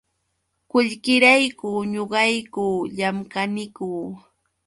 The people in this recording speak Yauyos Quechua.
Qullqirayku ñuqayku llamkaniku.